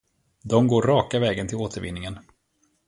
De går raka vägen till återvinningen.